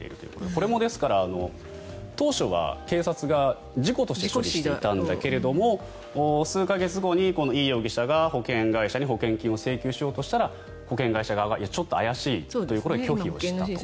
これも、ですから当初は警察が事故として処理していたんだけども数か月後にイ容疑者が保険会社に保険金を請求しようとしたら保険会社がちょっと怪しいということで拒否をしたと。